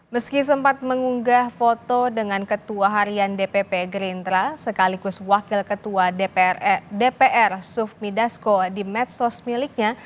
meski sempat mengunggah foto dengan ketua harian dpp gerindra sekaligus wakil ketua dpr sufmi dasko di medsos miliknya